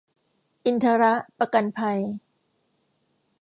อินทรประกันภัย